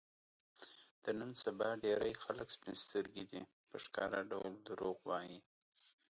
د نن سبا ډېری خلک سپین سترګي دي، په ښکاره ډول دروغ وايي.